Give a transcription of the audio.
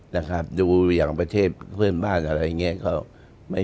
นะครับดูอย่างประเทศเพื่อนบ้านอะไรอย่างนี้